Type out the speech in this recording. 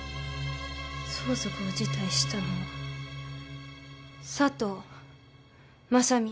相続を辞退したのは佐藤真佐美。